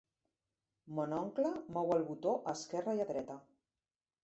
Mon oncle mou el botó a esquerra i a dreta.